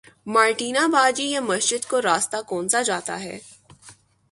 Martina باجی یہ مسجد کو راستہ کونسا جاتا ہے